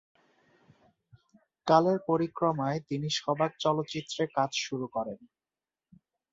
কালের পরিক্রমায় তিনি সবাক চলচ্চিত্রে কাজ শুরু করেন।